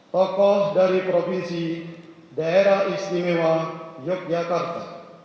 tokoh dari provinsi daerah istimewa yogyakarta